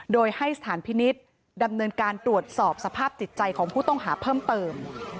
โดยให้สถานพินิษฐ์ดำเนินการตรวจสอบสภาพจิตใจของผู้ต้องหาเพิ่มเติม